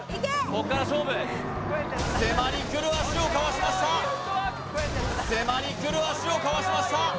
ここから勝負迫りくる足をかわしました迫りくる足をかわしました